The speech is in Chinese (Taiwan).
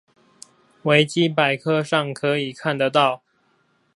維基百科上可以看得到